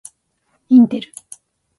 インテル